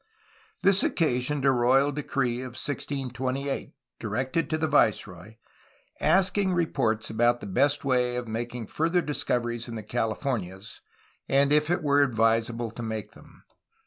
This occasioned a royal decree of 1628, directed to the viceroy, asking reports about the best way of making fiu ther discov eries in the Californias and if it were advisable to make them.